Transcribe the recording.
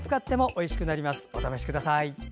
お試しください。